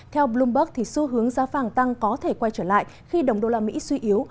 theo bloomberg xu hướng giá vàng tăng có thể quay trở lại khi đồng usd suy yếu